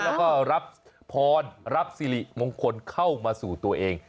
แล้วก็รับพรรับสิริมงคลเข้ามาสู่ตัวเอง